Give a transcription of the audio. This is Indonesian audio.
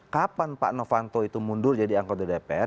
kapan pak novanto itu mundur jadi anggota dpr